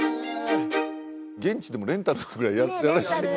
現地でもレンタルぐらいねえ